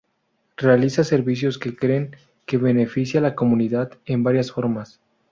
Realizan servicios que creen que benefician a la comunidad en varias formas.